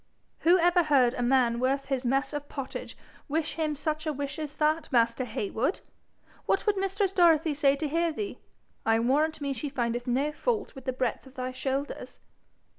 'Who ever heard a man worth his mess of pottage wish him such a wish as that, master Heywood! What would mistress Dorothy say to hear thee? I warrant me she findeth no fault with the breadth of thy shoulders.'